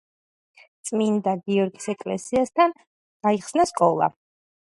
წმინდა გიორგის ეკლესიასთან გაიხსნა საკვირაო სკოლა.